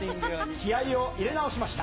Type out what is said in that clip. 気合いを入れ直しました。